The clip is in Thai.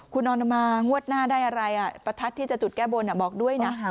คุณออนออกมางวดหน้าได้อะไรประทัดที่จะจุดแก้บนบอกด้วยนะ